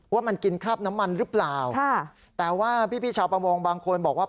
ว่ามันกินคราบน้ำมันหรือเปล่าแต่ว่าพี่ชาวประมงบางคนบอกว่า